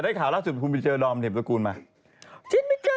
ได้ข่าวล่าสุดคุณไม่เจอดอมเห็นประกูลมาฉันไม่เจอ